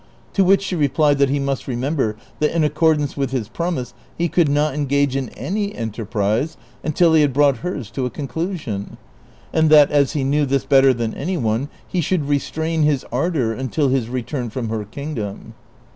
To which she replied that he must remember that in accordance with his promise he coiild not engage in any enterprise until he had brouglit hers to a conclusion ; and that as he knew this better than any one, he should restrain his ardor until his return ■from her kingdom.